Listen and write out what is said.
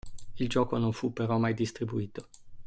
Il gioco non fu però mai distribuito.